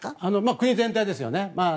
国全体ですよね。